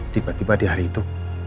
tiba tiba di hari itu